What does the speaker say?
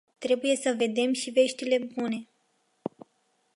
Trebuie să vedem și veștile bune.